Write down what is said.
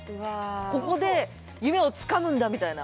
ここで夢をつかむんだみたいな。